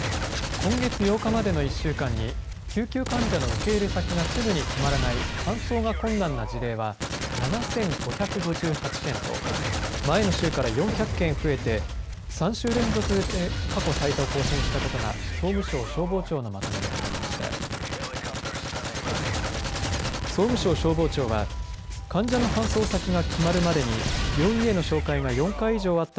今月８日までの１週間に救急患者の受け入れ先がすぐに決まらない搬送が困難な事例は７５５８件と前の週から４００件増えて３週連続で過去最多を更新したことが総務省消防庁のまとめで分かりました。